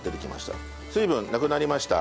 水分なくなりました。